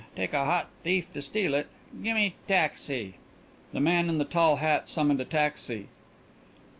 Take a hot thief to steal it. Gemme taxi." The man in the tall hat summoned a taxi.